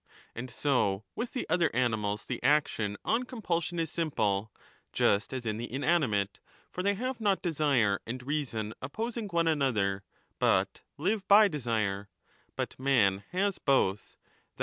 And so with the other 25 animals the action on compulsion is simple (just as in the inanimate), for they have not desire and reason opposing one another, but live by desire ; but man has both, that is ' Cf.